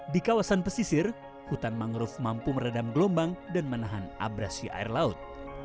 di kawasan pesisir hutan mangrove mampu meredam gelombang dan menahan abrasi air laut